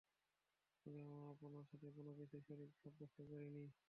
তবে আমরা আপনার সাথে কোন কিছু শরীক সাব্যস্ত করিনি।